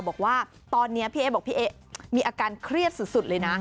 บอกว่าตอนนี้พี่เอ๊บอกพี่เอ๊ะมีอาการเครียดสุดเลยนะ